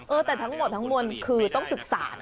แต่ทั้งหมดทั้งมวลคือต้องศึกษานะ